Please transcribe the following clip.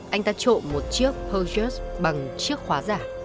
anh ta trộm một chiếc porsche bằng chiếc khóa giả